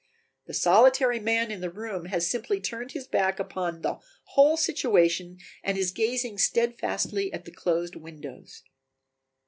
The solitary man in the room has simply turned his back upon the whole situation and is gazing steadfastly at the closed windows.